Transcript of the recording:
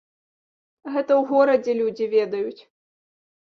Гэта ў горадзе людзі ведаюць.